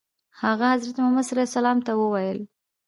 هغه حضرت محمد صلی الله علیه وسلم ته وویل.